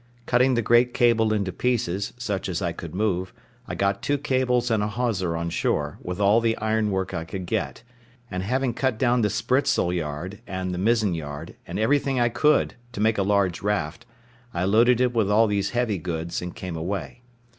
Cutting the great cable into pieces, such as I could move, I got two cables and a hawser on shore, with all the ironwork I could get; and having cut down the spritsail yard, and the mizzen yard, and everything I could, to make a large raft, I loaded it with all these heavy goods, and came away.